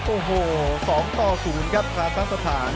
โอ้โห๒ต่อสูรครับทางสะทาน